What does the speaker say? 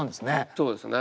そうですね。